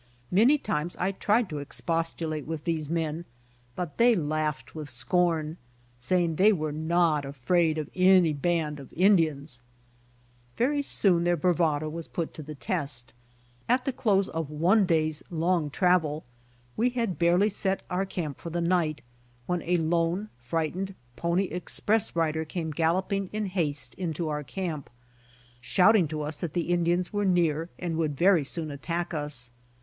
Many times I tried to expostulate with these mien, but they laughed with scorn, saying they were not afraid of any band of Indians. Ver}' soon their bravado was put to the test. At the close of one day's long travel we had barely set our camp for the night, when a lone, frightened pony express rider came galloping in haste into our camp, shouting to us that the Indians were near and would very soon attack us.